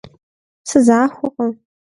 Сызахуэкъэ?